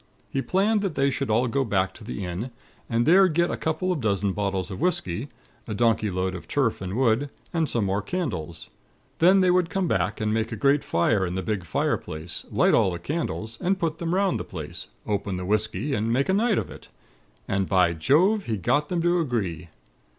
He planned that they should all go back to the inn, and there get a couple of dozen bottles of whisky, a donkey load of turf and wood, and some more candles. Then they would come back, and make a great fire in the big fire place, light all the candles, and put them 'round the place, open the whisky and make a night of it. And, by Jove! he got them to agree.